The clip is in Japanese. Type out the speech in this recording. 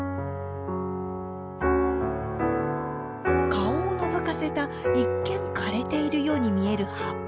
顔をのぞかせた一見枯れているように見える葉っぱ。